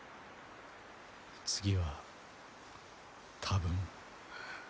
次は多分。